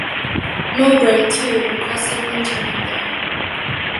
Mowbray too requested interment there.